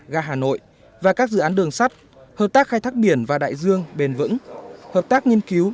ga hà nội và các dự án đường sắt hợp tác khai thác biển và đại dương bền vững hợp tác nghiên cứu